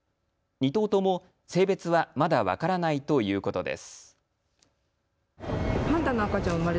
２頭とも性別はまだ分からないということです。